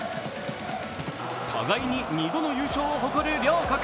互いに２度の優勝を誇る両国。